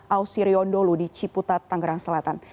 ausirion dholu di ciputat tangerang selatan